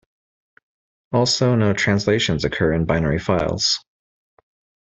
Also no translations occur in binary files.